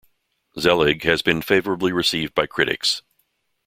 "Zelig" has been favorably received by critics.